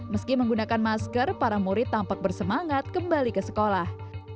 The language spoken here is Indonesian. meski menggunakan masker para murid tampak bersemangat kembali ke sekolah